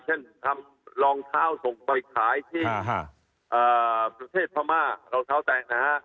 เช่นลองเท้าส่งไปขายที่ประเทศพม่าแล้วเขาแต่งนะฮะ